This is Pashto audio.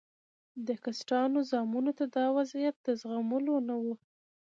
د کسټانو زامنو ته دا وضعیت د زغملو نه و.